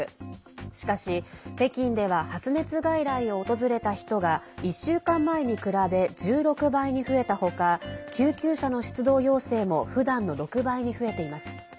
しかし、北京では発熱外来を訪れた人が１週間前に比べ１６倍に増えた他救急車の出動要請もふだんの６倍に増えています。